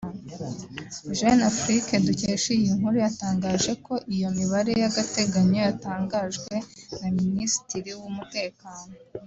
Jeune Afrique dukesha iyi nkuru yatangaje ko iyo mibare y’agateganyo yatangajwe na Minisitiri w’Umutekano